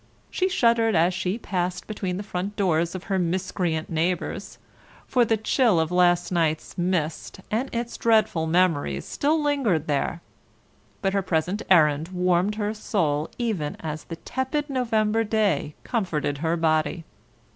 She shuddered as she passed between the front doors of her miscreant neighbours, for the chill of last night's mist and its dreadful memories still lingered there, but her present errand warmed her soul even as the tepid November day comforted her body.